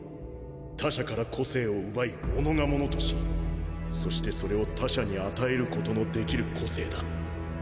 他者から個性を奪い己がものとしそしてそれを他者に与えることのできる個性だ